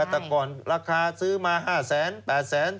แต่ก่อนราคาซื้อมา๕แสน๘แสน